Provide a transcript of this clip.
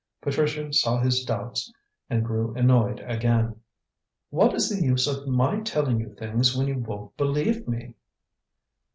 Patricia saw his doubts and grew annoyed again. "What is the use of my telling you things when you won't believe me?"